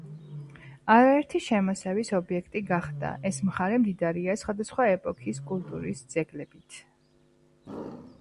არაერთი შემოსევის ობიექტი გახდა. ეს მხარე მდიდარია სხვადასხვა ეპოქის კულტურის ძეგლებითა